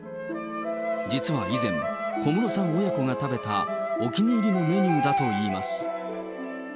実は以前、小室さん親子が食べたお気に入りのメニューだといいます。